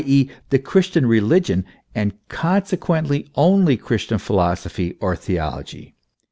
e., the Christian religion, and consequently, only Christian philosophy or theology.